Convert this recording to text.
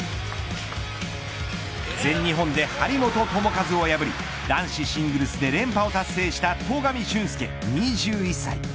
全日本で張本智和を破り男子シングルスで連覇を達成した戸上隼輔２１歳。